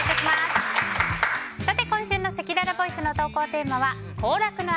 今週のせきららボイスの投稿テーマは行楽の秋！